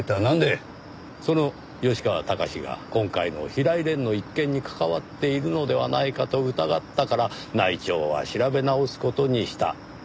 その吉川崇が今回の平井蓮の一件に関わっているのではないかと疑ったから内調は調べ直す事にしたというわけですね？